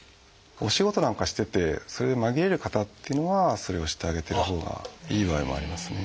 お仕事なんかしててそれで紛れる方っていうのはそれをしてあげてるほうがいい場合もありますね。